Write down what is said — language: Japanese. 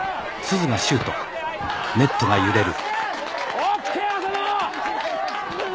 ＯＫ浅野！